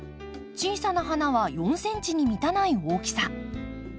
小さな花は４ｃｍに満たない大きさ。